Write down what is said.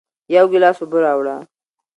یو گیلاس اوبه راوړه